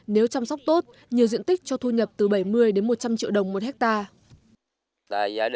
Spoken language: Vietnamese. nếu chăm sóc tốt nhiều diện tích cho thu nhập từ bảy mươi đến một trăm linh triệu đồng một hectare